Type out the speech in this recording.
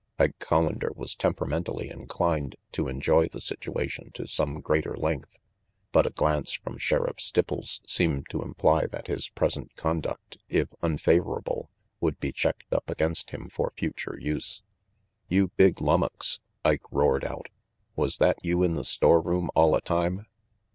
Ike Collander was temperamentally inclined to enjoy the situation to some greater length, but a glance from Sheriff Stipples seemed to imply that his present conduct, if unfavorable, would be checked up against him for future use. "You big lummux!" Ike roared out, "was that you in the storeroom alia time?"